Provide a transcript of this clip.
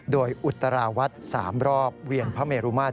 โดยอุตราวัด๓รอบเวียนพระเมรุมาตร